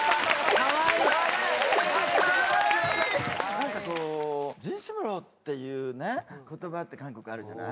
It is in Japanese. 何かこうチンシムロっていう言葉って韓国あるじゃない。